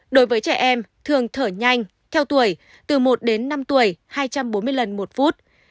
đối với trẻ em thường thở nhanh theo tuổi từ một đến năm tuổi hai trăm bốn mươi lần một phút